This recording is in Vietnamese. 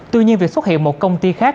tuy nhiên việc xuất hiện một công ty khác